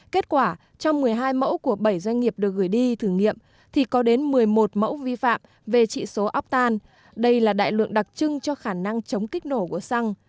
kết quả trong một mươi hai mẫu của bảy doanh nghiệp được gửi đi thử nghiệm thì có đến một mươi một mẫu vi phạm về trị số aptan đây là đại lượng đặc trưng cho khả năng chống kích nổ của xăng